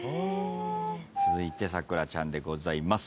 続いて咲楽ちゃんでございます。